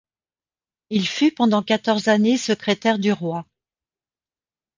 Il fut pendant quatorze années secrétaire du roi.